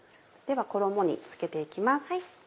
では衣に付けて行きます。